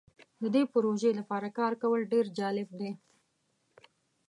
د دې پروژې لپاره کار کول ډیر جالب دی.